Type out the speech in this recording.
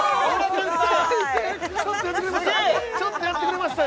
ちょっとやってくれました